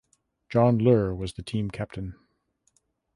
John Luhr was the team captain.